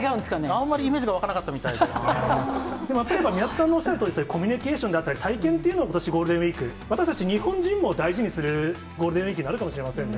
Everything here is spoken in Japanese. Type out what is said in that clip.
あまりイメージが湧かなかっでも例えば宮田さんがおっしゃるように、コミュニケーションであったり、体験っていうの、ゴールデンウィーク、私たち日本人も大事にするゴールデンウィークになるかもしれませんね。